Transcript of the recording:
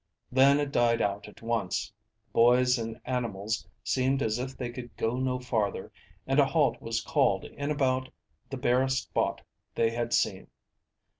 Then it died out at once; the boys and animals seemed as if they could go no farther, and a halt was called in about the barest spot they had seen.